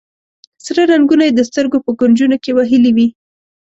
سره رنګونه یې د سترګو په کونجونو کې وهلي وي.